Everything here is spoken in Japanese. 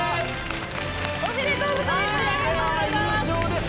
おめでとうございます！